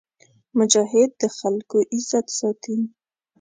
مجاهد د خلکو عزت ساتي.